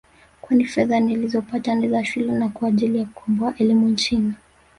kwani fedha nilizopata ni za shule na kwa ajili kukomboa elimu nchini